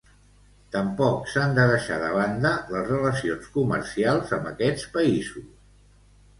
Tampoc s'han de deixar de banda les relacions comercials amb aquests països.